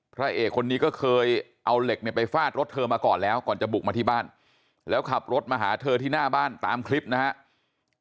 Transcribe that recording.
พระเอกคนนี้ก็เคยเอาเหล็กเนี่ยไปฟาดรถเธอมาก่อนแล้วก่อนจะบุกมาที่บ้านแล้วขับรถมาหาเธอที่หน้าบ้านตามคลิปนะครับ